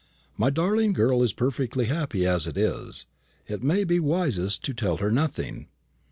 "My darling girl is perfectly happy as it is. It may be wisest to tell her nothing."